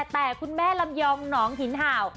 แต่คุณแม่ลำยองหนองหินห่าว